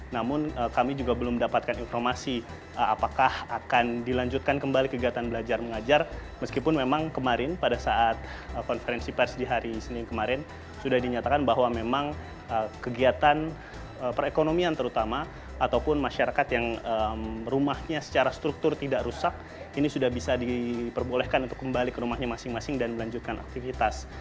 namun kami juga belum mendapatkan informasi apakah akan dilanjutkan kembali kegiatan belajar mengajar meskipun memang kemarin pada saat konferensi pers di hari senin kemarin sudah dinyatakan bahwa memang kegiatan perekonomian terutama ataupun masyarakat yang rumahnya secara struktur tidak rusak ini sudah bisa diperbolehkan untuk kembali ke rumahnya masing masing dan melanjutkan aktivitas